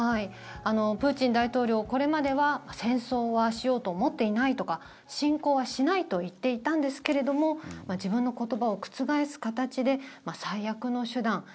プーチン大統領、これまでは戦争はしようと思っていないとか侵攻はしないと言っていたんですけれども自分の言葉を覆す形で最悪の手段